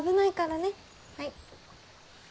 はい。